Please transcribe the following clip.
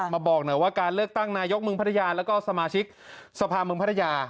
มาบอกนะว่าการเลือกตั้งนายกเมืองภาษณาแล้วก็สมาชิกสภามเมืองภาษณา